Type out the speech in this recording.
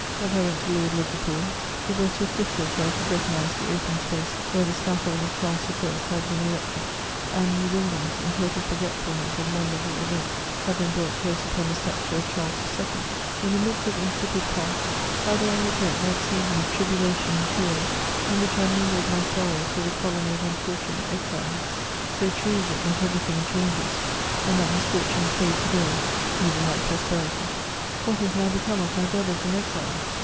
As I went to Lord Liverpool's, it was with difficulty I could recog^se the open space, where the scaffold of Charles L had been erected ; and new buildings, in total forg^tfulness of memorable events, have been brought close upon the statue of Charles IL In the midst of insipid pomps, how do I reg^t that season of tribulation and tears, in which I mingled my sorrows with a colony of unfortunate exiles I So true is it that every thing changes, and that misfortune fades away even like prosperity ! What is now become of my brothers in exile